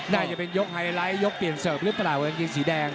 น่าจะเป็นยกไฮไลท์ยกเปลี่ยนเสิร์ฟหรือเปล่ากางเกงสีแดง